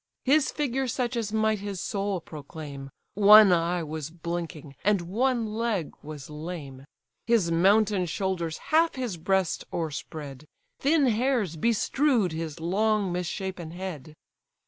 His figure such as might his soul proclaim; One eye was blinking, and one leg was lame: His mountain shoulders half his breast o'erspread, Thin hairs bestrew'd his long misshapen head.